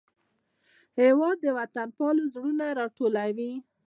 هېواد د وطنپال زړونه راټولوي.